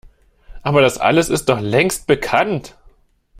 Aber das alles ist doch längst bekannt!